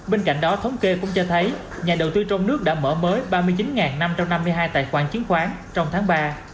bên cạnh đó thống kê cũng cho thấy nhà đầu tư trong nước đã mở mới ba mươi chín năm trăm năm mươi hai tài khoản chứng khoán trong tháng ba